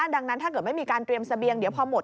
ดังนั้นถ้าเกิดไม่มีการเตรียมเสบียงเดี๋ยวพอหมด